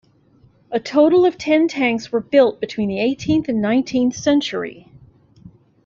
A total of ten tanks were built between the eighteenth and nineteenth century.